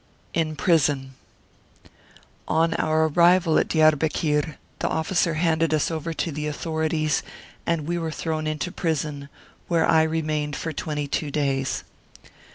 Ix PRISON. On our arrival at Diarbekir the officer handed us over to the authorities and we were 24 Martyred Armenia thrown into prison, where I remained for twenty two days.